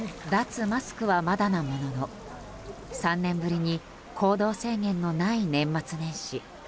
脱マスクはまだなものの３年ぶりに行動制限のない年末年始。